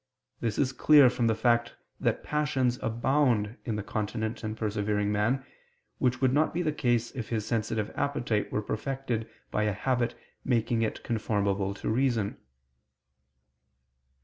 This is clear from the fact that passions abound in the continent and persevering man, which would not be the case if his sensitive appetite were perfected by a habit making it conformable to reason.